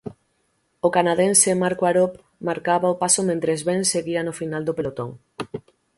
O canadense Marco Arop marcaba o paso mentres Ben seguía no final do pelotón.